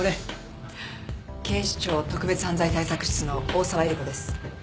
警視庁特別犯罪対策室の大澤絵里子です。